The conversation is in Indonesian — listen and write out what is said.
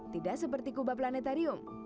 tidak seperti kubah planetarium